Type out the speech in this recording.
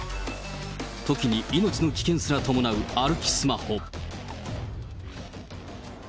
時に命の危険すら伴う歩きスマホ。